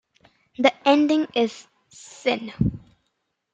The ending is "-sin".